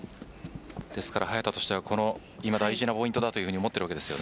ですから早田としてはこの今、大事なポイントだと思っていると思います。